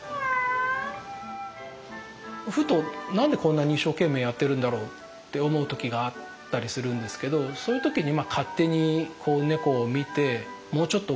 ふと何でこんなに一生懸命やってるんだろうって思う時があったりするんですけどそういう時に勝手に猫を見てもうちょっとこう力を抜いてもいいのかなあって